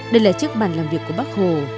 đây là chiếc bàn làm việc của bác hồ